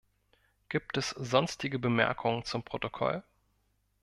Gibt es sonstige Bemerkungen zum Protokoll?